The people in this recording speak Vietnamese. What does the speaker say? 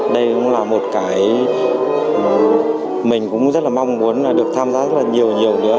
đây cũng là một cái mà mình cũng rất là mong muốn được tham gia rất là nhiều nhiều nữa